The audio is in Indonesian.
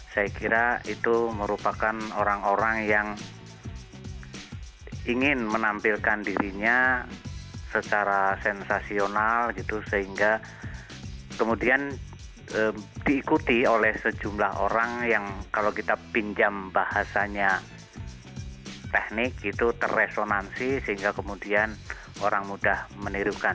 saya kira itu merupakan orang orang yang ingin menampilkan dirinya secara sensasional gitu sehingga kemudian diikuti oleh sejumlah orang yang kalau kita pinjam bahasanya teknik itu terresonansi sehingga kemudian orang mudah menirukan